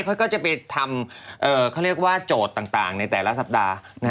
เขาก็จะไปทำเขาเรียกว่าโจทย์ต่างในแต่ละสัปดาห์